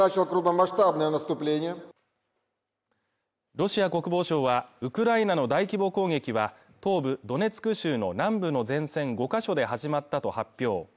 ロシア国防省は、ウクライナの大規模攻撃は、東部ドネツク州の南部の前線５か所で始まったと発表。